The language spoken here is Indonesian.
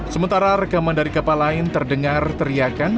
sementara rekaman dari kapal lain terdengar teriakan